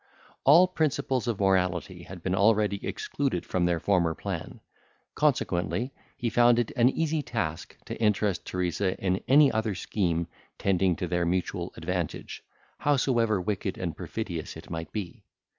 All principles of morality had been already excluded from their former plan; consequently he found it an easy task to interest Teresa in any other scheme tending to their mutual advantage, howsoever wicked and perfidious it might be.